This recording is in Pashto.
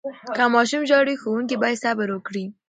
که ماشوم ژاړي، ښوونکي باید صبر وکړي.